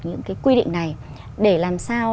những cái quy định này để làm sao